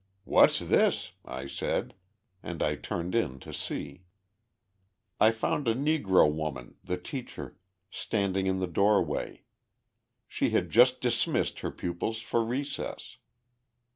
"What's this?" I said, and I turned in to see. I found a Negro woman, the teacher, standing in the doorway. She had just dismissed her pupils for recess.